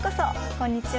こんにちは。